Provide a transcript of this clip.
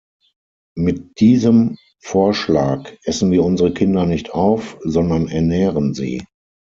Mit diesem Vorschlag essen wir unsere Kinder nicht auf, sondern ernähren sie.